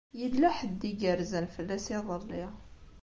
Yella ḥedd i yerzan fell-as iḍelli.